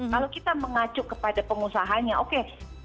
kalau kita mengacu kepada pengusahanya oke